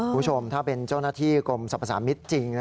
คุณผู้ชมถ้าเป็นเจ้าหน้าที่กรมสรรพสามิตรจริง